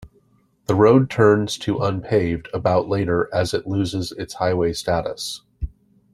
The road turns to unpaved about later as it loses its highway status.